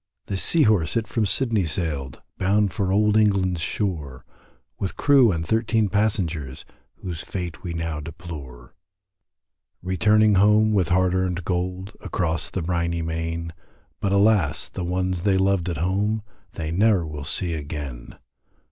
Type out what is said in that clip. The Sea Horse it from Sydney sailed, Bound for Old England's shore, With crew and thirteen passengers, Whose fate we now deplore; Returning home with hard earned gold, Across the briney main, But alas! the ones they loved at home, They ne'er will see again.